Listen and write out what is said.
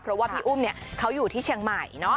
เพราะว่าพี่อุ้มเขาอยู่ที่เชียงใหม่